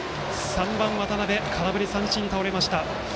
３番、渡邊は空振り三振に倒れました。